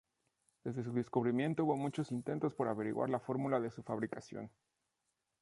Desde su descubrimiento hubo muchos intentos por averiguar la fórmula de su fabricación.